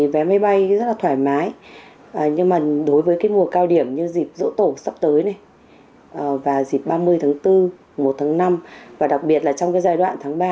vé máy bay rất là thoải mái nhưng đối với mùa cao điểm như dịp dỗ tổ sắp tới dịp ba mươi tháng bốn một tháng năm và đặc biệt trong giai đoạn tháng ba